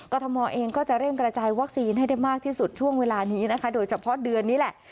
ทมเองก็จะเร่งกระจายวัคซีนให้ได้มากที่สุดช่วงเวลานี้นะคะโดยเฉพาะเดือนนี้แหละ